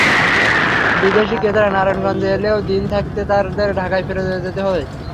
বিদেশি ক্রেতারা নারায়ণগঞ্জে এলেও দিন থাকতে তাঁদের ঢাকায় ফিরে যেতে হয়।